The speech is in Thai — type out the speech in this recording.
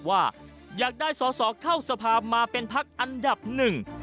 ว่าอยากได้สอสอเข้าสภาพมาเป็นพักอันดับหนึ่ง